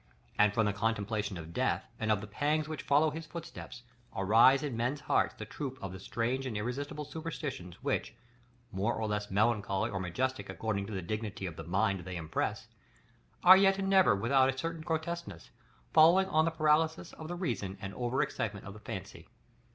And from the contemplation of death, and of the pangs which follow his footsteps, arise in men's hearts the troop of strange and irresistible superstitions which, more or less melancholy or majestic according to the dignity of the mind they impress, are yet never without a certain grotesqueness, following on the paralysis of the reason and over excitement of the fancy.